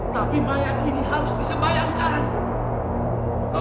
tapi mayat ini harus disebayangkan